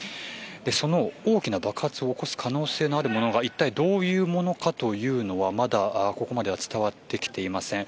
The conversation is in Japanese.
その大きな爆発を起こす可能性があるものがいったいどういうものなのかというのはまだここまでは伝わってきていません。